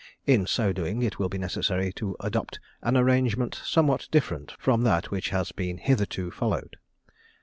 In so doing, it will be necessary to adopt an arrangement somewhat different from that which has been hitherto followed.